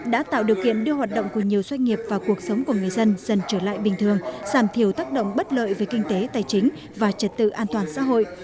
đã tạo điều kiện đưa hoạt động của nhiều doanh nghiệp và cuộc sống của người dân dần trở lại bình thường giảm thiểu tác động bất lợi về kinh tế tài chính và trật tự an toàn xã hội